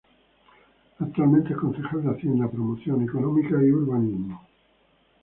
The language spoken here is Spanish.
Actualmente es concejal de Hacienda, Promoción Económica y Urbanismo.